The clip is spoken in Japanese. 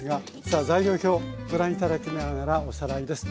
さあ材料表ご覧頂きながらおさらいです。